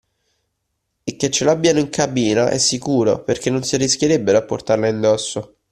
E che l’abbiano in cabina è sicuro, perché non si arrischierebbero a portarla in dosso.